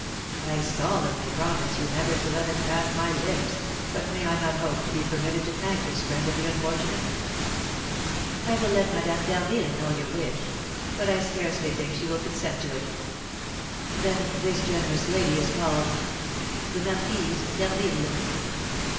"I solemnly promise you never to let it pass my lips; but may I not hope to be permitted to thank this friend of the unfortunate?" "I will let Madame d'Harville know your wish; but I scarcely think she will consent to it." "Then this generous lady is called " "The Marquise d'Harville."